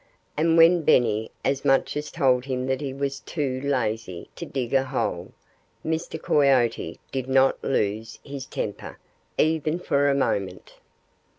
And when Benny as much as told him that he was too lazy to dig a hole, Mr. Coyote did not lose his temper even for a moment.